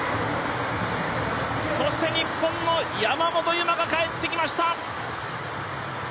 そして日本の山本有真が帰ってきました。